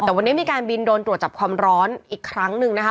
แต่วันนี้มีการบินโดนตรวจจับความร้อนอีกครั้งหนึ่งนะคะ